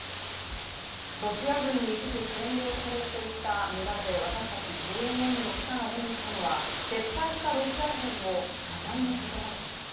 ロシア軍に一時占領されていた村で私達ＪＮＮの記者が目にしたのは撤退したロシア兵の謝罪の言葉でした。